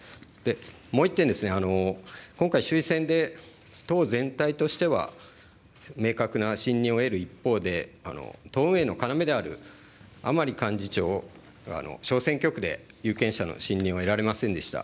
もう１点、今回、衆院選で、党全体としては明確な信任を得る一方で、党運営の要である、甘利幹事長、小選挙区で有権者の信任を得られませんでした。